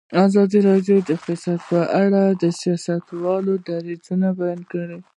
ازادي راډیو د اقتصاد په اړه د سیاستوالو دریځ بیان کړی.